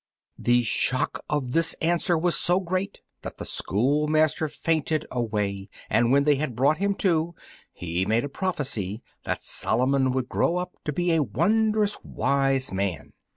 The shock of this answer was so great that the schoolmaster fainted away, and when they had brought him to he made a prophecy that Solomon would grow up to be a wond'rous wise man.